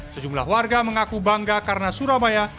sejumlah warga mengaku bangga karena surabaya